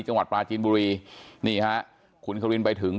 จังหวัดปลาจีนบุรีนี่ฮะคุณควินไปถึง